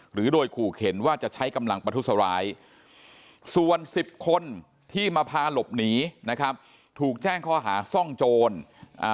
หรือโดยขู่เข็นว่าจะใช้กำลังประทุษร้ายส่วนสิบคนที่มาพาหลบหนีนะครับถูกแจ้งข้อหาซ่องโจรอ่า